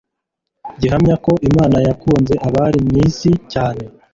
gihamya ko «Imana yakunze abari mu isi cyane,